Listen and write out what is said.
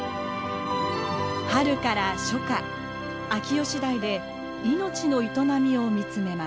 春から初夏秋吉台で命の営みを見つめます。